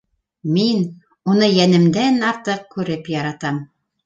Мин уны йәнемдән артыҡ күреп яратам!